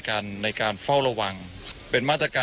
คุณทัศนาควดทองเลยค่ะ